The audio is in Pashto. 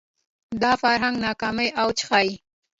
دا فرهنګ ناکامۍ اوج ښيي